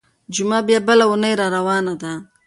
جمعه بيا بله اونۍ راروانه ده.